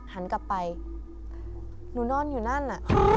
หันกลับไปหนูนอนอยู่นั่นน่ะ